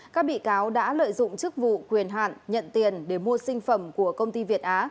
các bị cáo đã lợi dụng chức vụ quyền hạn nhận tiền để mua sinh phẩm của công ty việt á